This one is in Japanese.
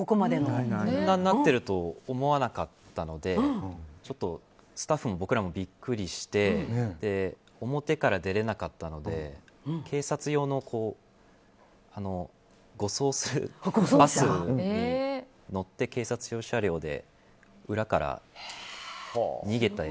こんなになってると思わなかったのでスタッフも僕らもビックリして表から出れなかったので警察用の護送するバスに乗って警察用車両で裏から逃げて。